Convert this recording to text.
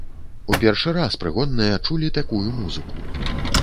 У першы раз прыгонныя чулі такую музыку.